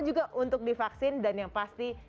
juga untuk divaksin dan yang pasti